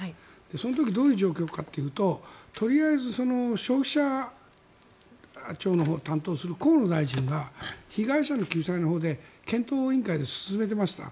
その時どういう状況かというととりあえず消費者庁のほうを担当する河野大臣が被害者の救済のほうで検討委員会で進めていました。